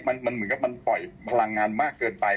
มันเหมือนกับมันปล่อยพลังงานมากเกินไป